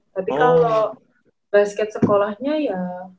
tapi kalau basket sekolahnya ya